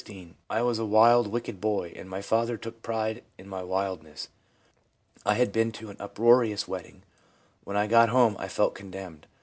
I was a wild, wicked boy, and my father took pride in my wildness. I had been to an uproarious wedding. When I got home I felt condemned.